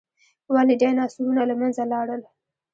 ولې ډیناسورونه له منځه لاړل؟